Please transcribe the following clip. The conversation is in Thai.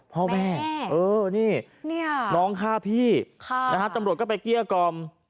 พ่อแม่นี่น้องฆ่าพี่ตำรวจก็ไปเกลี้ยกล่อม